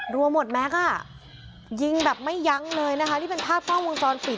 รวมหมดแม็กซ์อ่ะยิงแบบไม่ยั้งเลยนะคะนี่เป็นภาพกล้องวงจรปิด